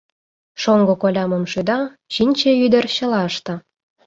Шоҥго коля мом шӱда, Чинче ӱдыр чыла ышта.